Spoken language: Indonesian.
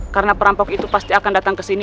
karena perampok itu pasti akan datang kesini